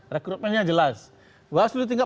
rekrutmennya jelas bawah selu tingkat